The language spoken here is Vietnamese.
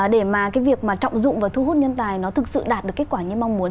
để mà cái việc mà trọng dụng và thu hút nhân tài nó thực sự đạt được kết quả như mong muốn